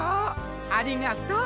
ありがとう。